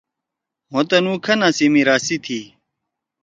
مھو تُنُو گھنا سی میرأثی تھی۔